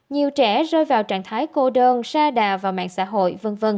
nhiều trẻ rơi vào trạng thái cô đơn xa đà vào mạng xã hội v v